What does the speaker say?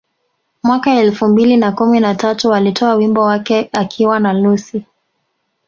Mwaka elfu mbili na kumi na tatu alitoa wimbo wake akiwa na Lucci